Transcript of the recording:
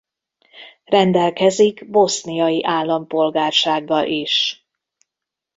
Rendelkezik boszniai állampolgársággal is.